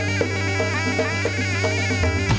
mereka akan menjelaskan kekuatan mereka